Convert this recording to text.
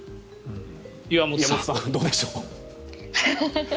岩本さん、どうでしょう。